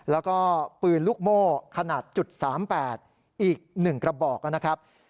แล้วก็ปืนลูกโม่ขนาด๓๘อีก๑กระบอกนะครับ